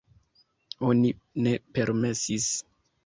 Oni ne permesis.